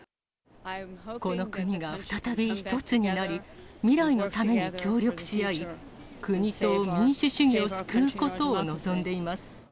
この国が再び一つになり、未来のために協力し合い、国と民主主義を救うことを望んでいます。